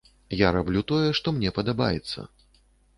Я раблю тое, што мне падабаецца!